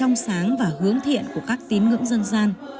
trong sáng và hướng thiện của các tín ngưỡng dân gian